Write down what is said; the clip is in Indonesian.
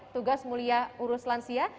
tugas mulia urus lansia